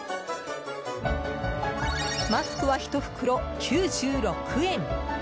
マスクは１袋９６円。